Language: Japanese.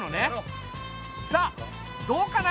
さあどうかな？